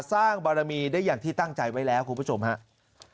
สร้างบารมีได้อย่างที่ตั้งใจไว้แล้วคุณผู้ชมครับ